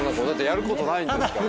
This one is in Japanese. やることないんですから。